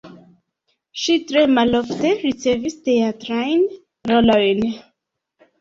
Ŝi tre malofte ricevis teatrajn rolojn.